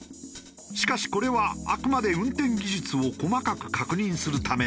しかしこれはあくまで運転技術を細かく確認するためのもの。